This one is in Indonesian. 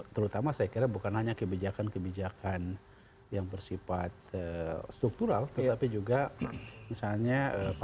terutama saya kira bukan hanya kebijakan kebijakan yang bersifat struktural tetapi juga misalnya hal hal yang lain yang bersifat